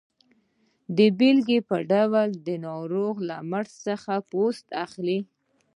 د بیلګې په ډول د ناروغ له مټ څخه پوستکی اخلي.